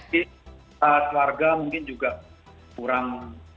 kita warga mungkin juga kurang